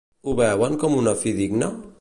Ho veuen com una fi digna?